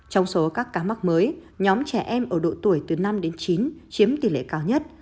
trong số các ca mắc mới nhóm trẻ em ở độ tuổi từ năm đến chín chiếm tỷ lệ cao nhất